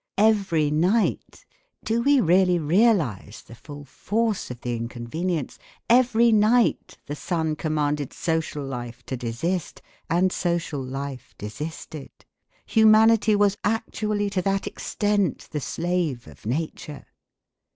Every night, do we really realise the full force of the inconvenience? every night the sun commanded social life to desist and social life desisted. Humanity was actually to that extent the slave of nature!